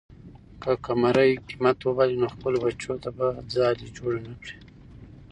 که قمرۍ همت وبایلي، نو خپلو بچو ته به ځالۍ جوړه نه کړي.